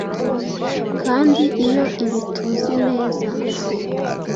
Kandi iyo ibi tuzi neza